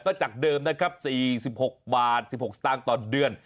ก็จากเดิมนะครับ๔๖บาท๑๖สตางค์ต่อเดือน